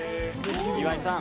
岩井さん